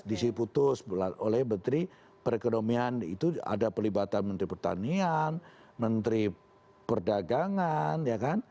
diputus oleh menteri perekonomian itu ada pelibatan menteri pertanian menteri perdagangan ya kan